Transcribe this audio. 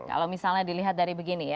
kalau misalnya dilihat dari begini ya